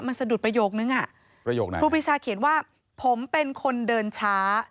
มันสะดุดประโยคนึงอ่ะประโยคไหนครูปีชาเขียนว่าผมเป็นคนเดินช้า